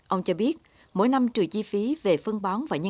ông cho biết mỗi năm trừ chi phí về phân bón và nhân